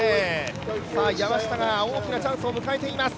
山下が大きなチャンスを迎えています。